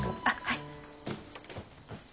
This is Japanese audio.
あっはい。